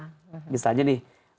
jadi kita bisa lihat